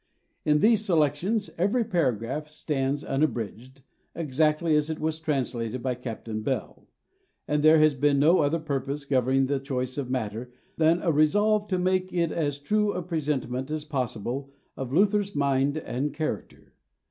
In these Selections every paragraph stands unabridged, exactly as it was translated by Captain Bell; and there has been no other purpose governing the choice of matter than a resolve to make it as true a presentment as possible of Luther's mind and character.